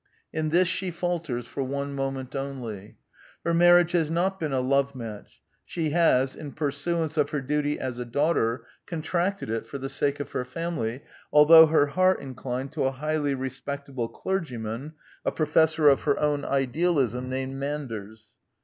In this she falters for one moment only. Her marriage has not been a love match : she has, in pursuance of her duty as a daughter, contracted it for the sake of her family, although her heart inclined to a highly respectable clergyman, a pro fessor of her own idealism, named Manders.